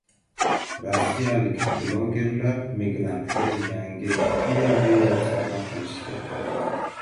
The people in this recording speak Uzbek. Rossiyalik blogerlar migrantga yangi Kia Rio sovg‘a qilishdi